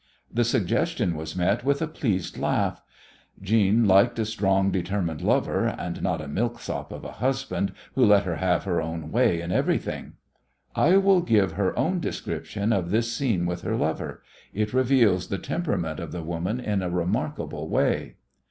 The suggestion was met with a pleased laugh. Jeanne liked a strong, determined lover, and not a milksop of a husband who let her have her own way in everything. I will give her own description of this scene with her lover. It reveals the temperament of the woman in a remarkable way.